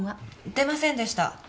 出ませんでした。